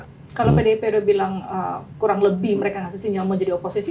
kalau pdip udah bilang kurang lebih mereka ngasih sinyal mau jadi oposisi